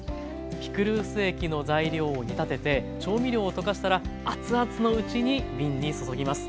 ピクルス液の材料を煮立てて調味料を溶かしたら熱々のうちに瓶に注ぎます。